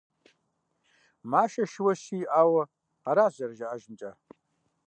Машэ шыуэ щий иӀауэ аращ, зэражаӀэжымкӀэ.